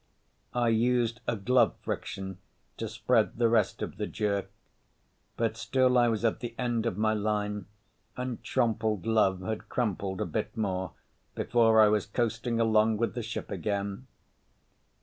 I used a glove friction to spread the rest of the jerk, but still I was at the end of my line and Trompled Love had crumpled a bit more before I was coasting along with the ship again.